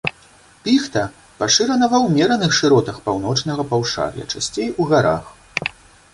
Піхта пашырана ва ўмераных шыротах паўночнага паўшар'я, часцей у гарах.